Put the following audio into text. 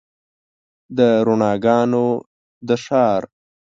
د رڼاګانو د ښار